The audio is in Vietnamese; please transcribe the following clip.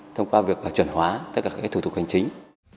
thông qua việc chuẩn hóa tất cả các thủ tục hành chính